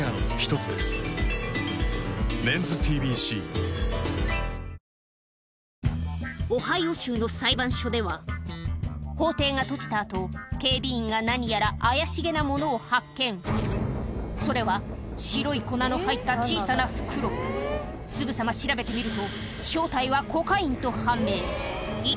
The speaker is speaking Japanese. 一体こんなものをオハイオ州の裁判所では法廷が閉じた後警備員が何やら怪しげなものを発見それは白い粉の入った小さな袋すぐさま調べてみると正体はコカインと判明